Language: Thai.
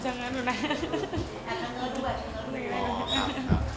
แอปเตอร์เงินด้วย